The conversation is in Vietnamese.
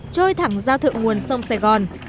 trôi thẳng ra thượng nguồn sông sài gòn